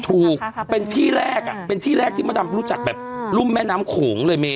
ถูกเป็นที่แรกอ่ะเป็นที่แรกที่มดำรู้จักแบบรุ่มแม่น้ำโขงเลยเม